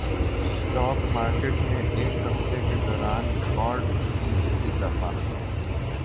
stock market میں ایک ہفتے کے دوران ریکارڈ فیصد اضافہ